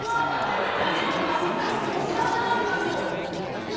いらないわよ。